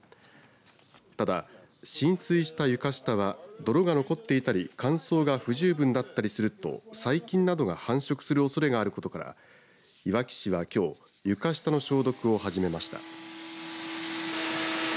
ただ浸水した床下は泥が残っていたり乾燥が不十分だったりすると細菌などが繁殖するおそれがあることからいわき市は、きょう床下の消毒を始めました。